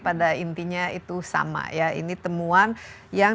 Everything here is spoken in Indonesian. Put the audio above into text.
pada intinya itu sama ya ini temuan yang